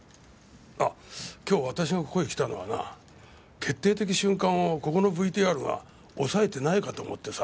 あ今日私がここへ来たのはな決定的瞬間をここのＶＴＲが押さえてないかと思ってさ。